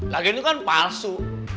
lagian itu kan palsu